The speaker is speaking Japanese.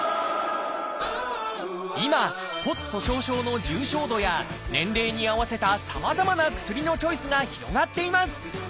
今骨粗しょう症の重症度や年齢に合わせたさまざまな薬のチョイスが広がっています。